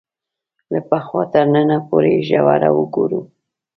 له پخوا تر ننه پورې ژوره وګورو